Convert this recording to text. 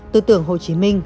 tư tưởng hồ chí minh